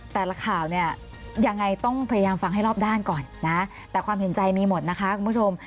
แต่ละข่าวเนี่ยยังไงต้องพยายามฟังให้รอบด้านก่อนนะแต่ความเห็นใจมีหมดนะคะคุณผู้ชม